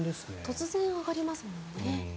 突然上がりますもんね。